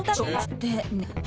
って。